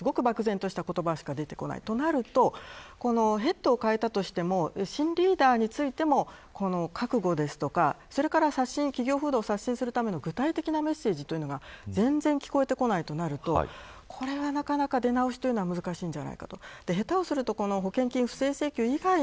すごく漠然とした言葉しか出てこないとなるとヘッドを変えたとしても新リーダーについても覚悟ですとかそれから企業風土を刷新するための具体的なメッセージというのが全然聞こえてこないとなるとこれは手直しというのは難しいんじゃないかと。